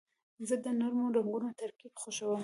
زه د نرمو رنګونو ترکیب خوښوم.